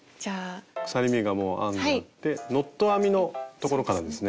鎖目がもう編んであってノット編みのところからですね。